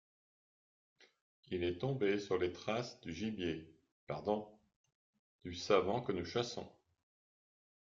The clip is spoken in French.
Il est tombé sur les traces du gibier, – pardon, du savant que nous chassons.